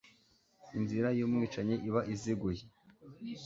Inzira y’umwicanyi iba iziguye